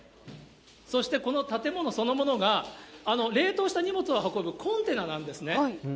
そしてこの建物そのものが、冷凍した荷物を運ぶコンテナがあるんですね。